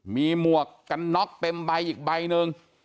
มีหมวกกันน็อกเต็มใบอีกใบหนึ่ง